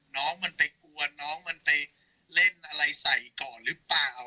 น้องมันไปกลัวน้องมันไปเล่นอะไรใส่ก่อนหรือเปล่า